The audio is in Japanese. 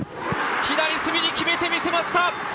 左隅に決めてみせました。